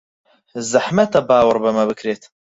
زەحمەتە باوەڕ بەمە بکرێت.